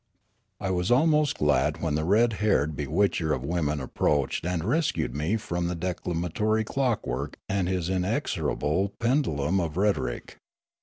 I was almost glad when the red haired bewitcher of women approached and rescued me from the declama tory clockwork and his inexorable pendulum of rhetoric.